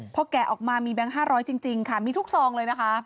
พอแกะออกมามีแบงค์๕๐๐จริงค่ะมีทุกซองเลยนะคะ